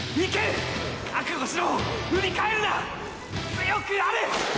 強くあれ！！